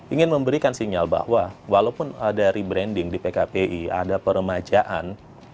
ingin memberikan sinyal bahwa walaupun ada rebranding di pkpi ada peremajaan